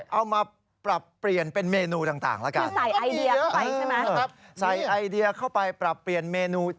เอามาปรับเปลี่ยนเป็นเมนูต่างละกัน